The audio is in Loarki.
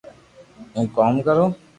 ھون ڪوم ڪرو